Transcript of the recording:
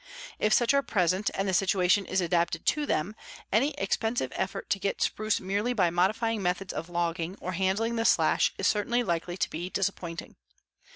If such are present and the situation is adapted to them, any expensive effort to get spruce merely by modifying methods of logging or handling the slash is certainly likely to be disappointing.